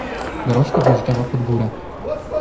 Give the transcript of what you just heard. "Dorożka wjeżdżała pod górę!"